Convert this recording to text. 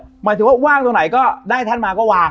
หมายถึงว่าว่างตรงไหนก็ได้ท่านมาก็วาง